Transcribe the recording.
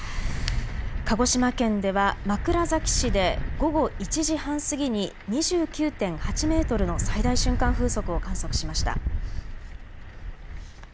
鹿児島県では枕崎市で午後１時半過ぎに２９．８メートルの最大瞬間風速を観測しました。